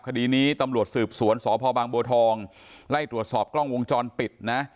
คดีนี้ตำรวจสืบสวนสพบางบัวทองไล่ตรวจสอบกล้องวงจรปิดนะ